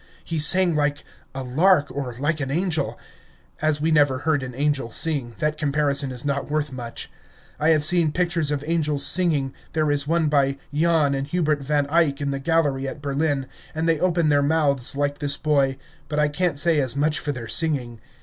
He sang like a lark, or like an angel. As we never heard an angel sing, that comparison is not worth much. I have seen pictures of angels singing, there is one by Jan and Hubert Van Eyck in the gallery at Berlin, and they open their mouths like this boy, but I can't say as much for their singing.